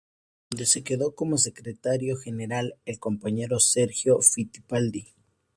Donde se quedo como secretario general el compañero Sergio Fittipaldi.